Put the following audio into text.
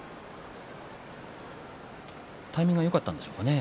タイミングがよかったんでしょうかね。